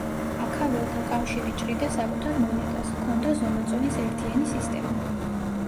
აქაველთა კავშირი ჭრიდა საკუთარ მონეტას, ჰქონდა ზომა-წონის ერთიანი სისტემა.